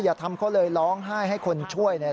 อย่าทำเขาเลยร้องไห้ให้คนช่วยเนี่ย